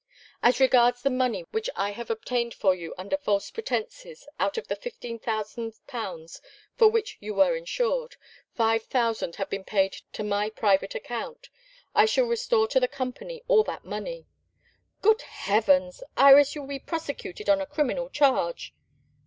"As regards the money which I have obtained for you under false pretences, out of the fifteen thousand pounds for which you were insured, five thousand have been paid to my private account. I shall restore to the Company all that money." "Good Heavens! Iris, you will be prosecuted on a criminal charge."